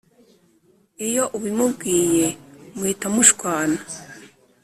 Iyo ubimubwiye muhita mushwana